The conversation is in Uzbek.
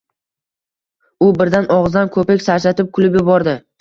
U birdan og’zidan ko’pik sachratib kulib yubordi.